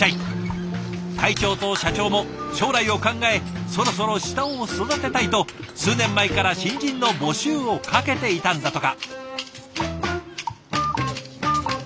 会長と社長も将来を考えそろそろ下を育てたいと数年前から新人の募集をかけていたんだとか。